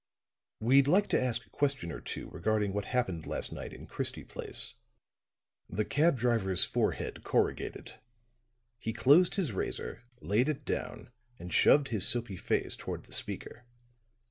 "We'd like to ask a question or two regarding what happened last night in Christie Place." The cab driver's forehead corrugated; he closed his razor, laid it down and shoved his' soapy face toward the speaker.